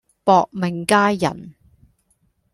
薄命佳人